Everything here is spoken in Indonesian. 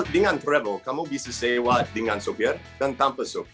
dengan prabowo kamu bisa sewa dengan sopir dan tanpa sopir